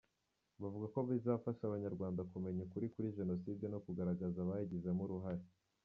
Bavuga ko bizafasha Abanyarwanda kumenya ukuri kuri Jenoside no kugaragaza abayigizemo uruhare.